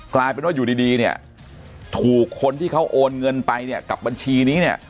กลายเป็นว่าอยู่ดีเนี่ยถูกคนที่เขาโอนเงินไปเนี่ยกับบัญชีนี้เนี่ย